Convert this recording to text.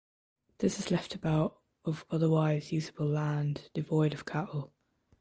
This has left about of otherwise usable land devoid of cattle.